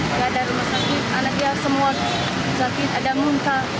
nggak ada rumah sakit anaknya semua sakit ada muntah